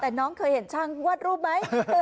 แต่น้องเคยเห็นช่างวาดรูปไหม